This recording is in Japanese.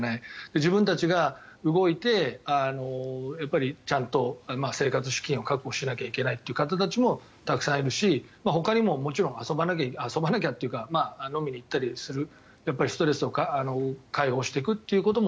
自分たちが動いてちゃんと生活資金を確保しなきゃいけないとという方たちもたくさんいるしほかにももちろん遊ばなきゃ遊ばなきゃというか飲みに行ったりするストレスを解放することも